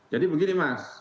jadi begini mas